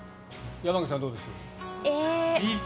山口さん、どうです？